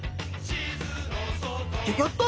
ギョギョっと